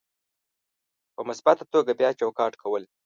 په مثبته توګه بیا چوکاټ کول: